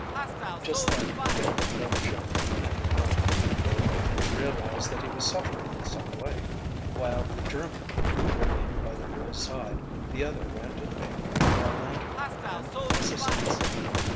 Just then Dick gave a shiver and a groan, and both bakers realized that he was suffering in some way. While the German remained by the boy's side the other ran to the bakery for a lantern and assistance.